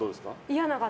嫌な方。